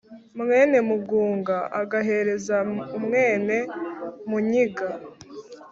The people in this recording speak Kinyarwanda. umwénemugunga agahereza umwénemúnyiga